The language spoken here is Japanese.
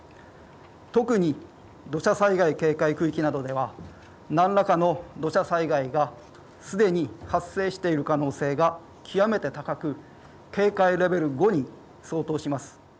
特に土砂災害警戒区域などでは何らかの土砂災害がすでに発生している可能性が極めて高く、警戒レベル５に相当します。